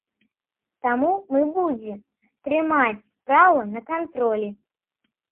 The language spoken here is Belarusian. Таму мы будзе трымаць справу на кантролі.